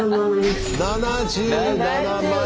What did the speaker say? ７７万円！